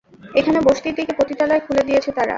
এখানে বসতির মিঝে পতিতালয় খুলে দিয়েছে তারা।